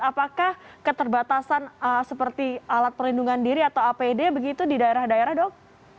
apakah keterbatasan seperti alat perlindungan diri atau apd begitu di daerah daerah dok